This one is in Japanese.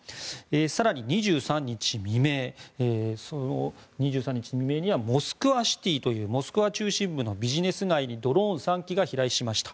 更に２３日未明にはモスクワシティというモスクワ中心部のビジネス街にドローン３機が飛来しました。